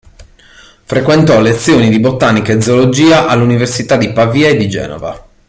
Frequentò lezioni di botanica e zoologia alle Università di Pavia e di Genova.